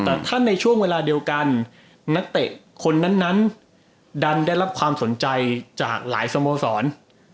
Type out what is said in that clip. แต่ถ้าในช่วงเวลาเดียวกันนักเตะคนนั้นดันได้รับความสนใจจากหลายสโมสร